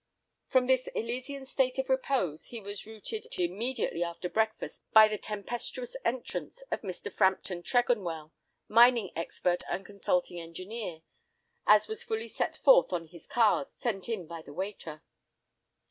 From this Elysian state of repose, he was routed immediately after breakfast by the tempestuous entrance of Mr. Frampton Tregonwell, Mining Expert and Consulting Engineer, as was fully set forth on his card, sent in by the waiter.